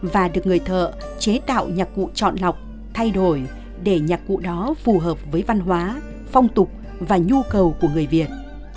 và được người thợ chế tạo nhạc cụ chọn lọc thay đổi để nhạc cụ đó phù hợp với văn hóa phong tục và nhu cầu của người việt